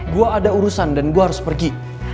gue ada urusan dan gue harus pergi